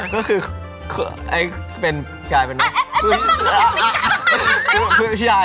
แล้วก็อะไรต่อ